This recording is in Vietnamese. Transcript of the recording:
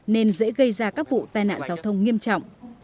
nên dễ gây ra các vụ tai nạn giao thông nghiêm trọng